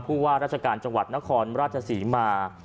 ผู้ว่าราชการจังหวัดนครราชศรีมา